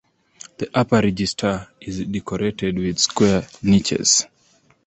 The upper register is decorated with square niches.